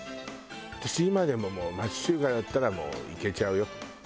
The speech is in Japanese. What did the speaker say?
私今でも町中華だったらもういけちゃうよ。